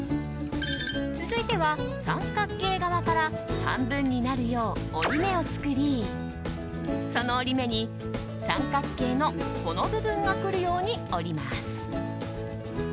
続いては三角形側から半分になるよう折り目を作りその折り目に三角形のこの部分が来るように折ります。